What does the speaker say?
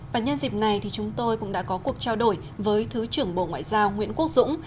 và nhân dịp này thì chúng tôi cũng đã có cuộc trao đổi với thứ trưởng bộ ngoại giao nguyễn quốc dũng